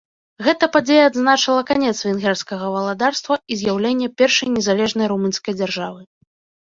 Гэта падзея адзначыла канец венгерскага валадарства і з'яўленне першай незалежнай румынскай дзяржавы.